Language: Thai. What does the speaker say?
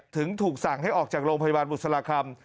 ถึงถูกสั่งให้ออกจากโรงพยาบาลบุษราคำ